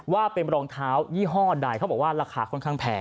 ว่าเป็นรองเท้ายี่ห้อใดเขาบอกว่าราคาค่อนข้างแพง